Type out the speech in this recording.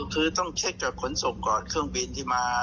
คือต้องเช็คกับขนส่งก่อนเครื่องบินที่มา